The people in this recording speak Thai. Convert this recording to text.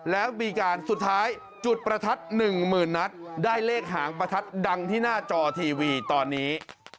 แล้วมีการสุดท้ายจุดประทัด๑๐๐๐นัดได้เลขหางประทัดดังที่หน้าจอทีวีตอนนี้